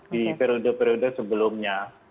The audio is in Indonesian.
di periode periode sebelumnya